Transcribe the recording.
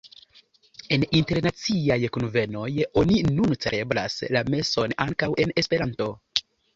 En internaciaj kunvenoj oni nun celebras la meson ankaŭ en Esperanto.